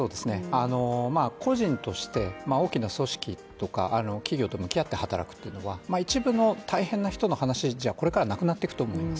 個人として大きな組織とか、企業と向き合って働くというのは一部の大変な人の話じゃこれから、なくなっていくと思います。